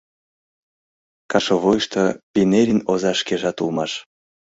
Кашовойышто Пинерин оза шкежат улмаш...